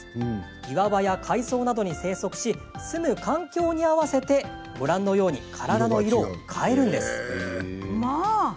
岩場や海藻などに生息し住む環境に合わせて体の色を変えるんです。